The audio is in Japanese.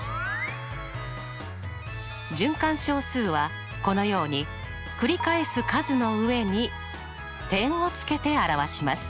循環小数はこのように繰り返す数の上に点を付けて表します。